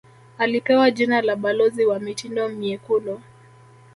Alipewa jina la balozi wa mitindo myekundu